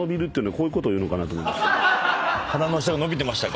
鼻の下が伸びてましたか。